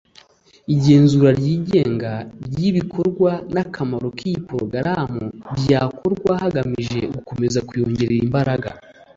Igenzura ryigenga ry’ibikorwa n’akamaro k’iyi porogaramu ryakorwa hagamijwe gukomeza kuyongerera imbaraga